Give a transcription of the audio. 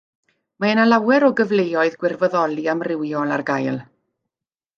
Mae yna lawer o gyfleoedd gwirfoddoli amrywiol ar gael